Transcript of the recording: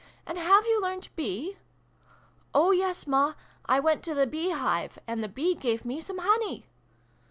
And have you learnt B?' 'Oh yes, Ma ! I went to the B hive, and the B gave me some honey